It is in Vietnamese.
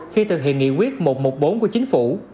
khi thực hiện nghị quyết một trăm một mươi bốn của chính phủ